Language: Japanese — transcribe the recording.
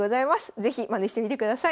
是非まねしてみてください。